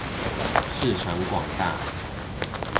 市場廣大